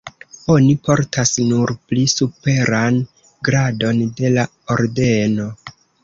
Oni portas nur pli superan gradon de la ordeno.